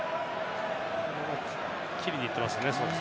切りに行ってますね。